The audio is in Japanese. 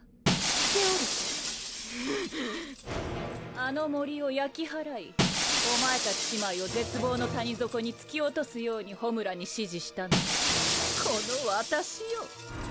あの森を焼き払いおまえ達姉妹を絶望の谷底に突き落とすように焔に指示したのはこの私よ！